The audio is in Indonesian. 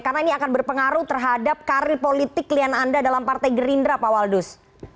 karena ini akan berpengaruh terhadap karir politik klien anda dalam partai gerindra pak waldus